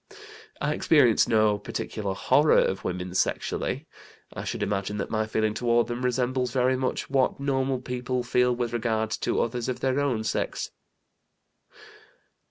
"I experience no particular 'horror' of women sexually. I should imagine that my feeling toward them resembles very much what normal people feel with regard to others of their own sex."